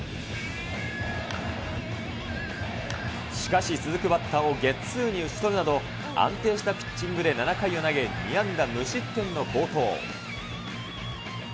しかし、続くバッターをゲッツーに打ち取るなど、安定したピッチングで７回を投げ、２安打無失点の好投。